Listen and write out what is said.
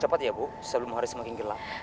cepat ya bu sebelum hari semakin gelap